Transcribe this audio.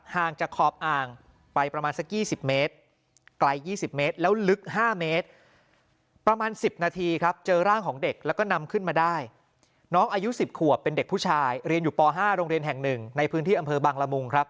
ห่างจากคอบอ่างไปประมาณสัก๒๐เมตร